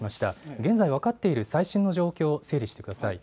現在分かっている最新の状況を整理してください。